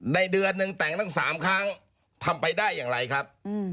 เดือนหนึ่งแต่งตั้ง๓ครั้งทำไปได้อย่างไรครับ